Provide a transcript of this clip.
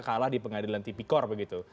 yang pertama di pengadilan tipikor begitu